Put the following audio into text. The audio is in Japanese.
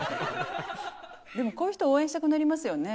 でもこういう人応援したくなりますよね